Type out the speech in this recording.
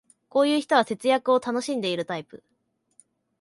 こういう人は節約を楽しんでるタイプ